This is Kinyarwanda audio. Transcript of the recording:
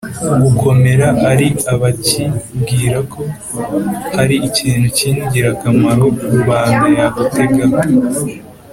gukomera ari abacyibwira ko hari ikintu cy'ingirakamaro rubanda yagutegaho,